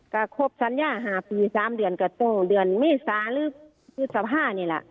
ก็ครบสัญญา๕ปี๓เดือนก็ต้องเดือนเมษาหรือพฤษภานี่แหละ